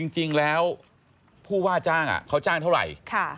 จริงแล้วผู้ว่าจ้างเขาจ้างเท่าไหร่